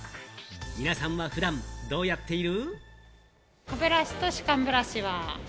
皆さんは普段どうやっている？